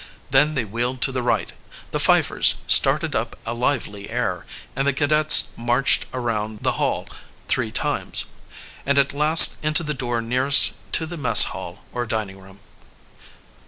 Then they wheeled to the right, the fifers started up a lively air, and the cadets marched around the hall three times, and at last into the door nearest to the mess hall or dining room.